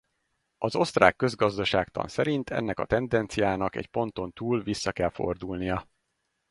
Az osztrák közgazdaságtan szerint ennek a tendenciának egy ponton túl vissza kell fordulnia.